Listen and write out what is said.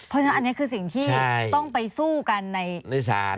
เพราะฉะนั้นอันนี้คือสิ่งที่ต้องไปสู้กันในศาล